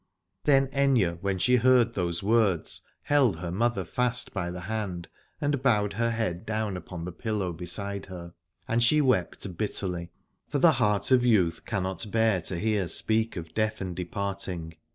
Then Aithne when she heard those words held her mother fast by the hand and bowed her head down upon the pillow beside her : and she wept bitterly, for the heart of youth cannot bear to hear speak of death and departing.